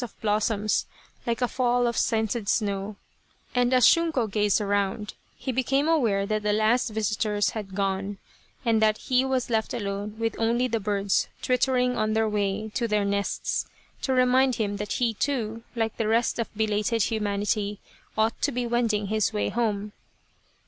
242 A Cherry Flower Idyll blossoms like a fall of scented snow, and as Shunko gazed around, he became aware that the last visitors had gone, and that he was left alone with only the birds twittering on their way to their nests to remind him that he, too, like the rest of belated humanity, ought to be wending his way home.